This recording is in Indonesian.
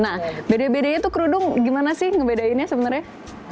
nah beda bedanya tuh kerudung gimana sih ngebedainnya sebenarnya